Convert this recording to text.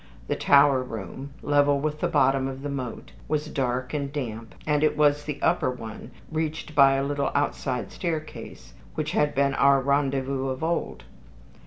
The tower room, level with the bottom of the moat, was dark and damp, and it was the upper one, reached by a little outside staircase, which had been our rendezvous of old.